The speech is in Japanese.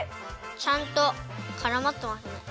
ちゃんとからまってますね。